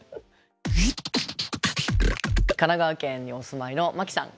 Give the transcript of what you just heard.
神奈川県にお住まいのマキさん。